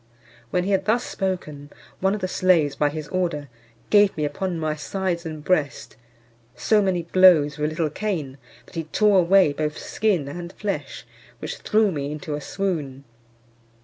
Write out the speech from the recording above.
When he had thus spoken, one of the slaves, by his order, gave me upon my sides and breast so many blows, with a little cane, that he tore away both skin and flesh, which threw me into a swoon.